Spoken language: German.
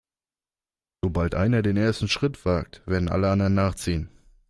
Sobald einer den ersten Schritt wagt, werden alle anderen nachziehen.